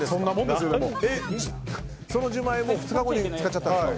その１０万円２日後に使っちゃったんですか？